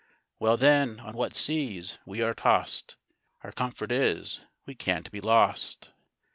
Well, then, on what seas we are tost, Our comfort is, we can't be lost.